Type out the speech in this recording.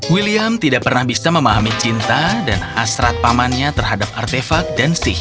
william tidak pernah bisa memahami cinta dan hasrat pamannya terhadap artefak dan sih